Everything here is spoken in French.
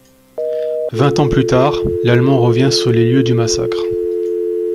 Vingt ans plus tard, l'Allemand revient sur les lieux du massacre.